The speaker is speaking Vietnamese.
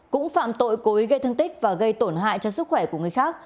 cũng phạm tội cố ý gây thương tích và gây tổn hại cho sức khỏe của người khác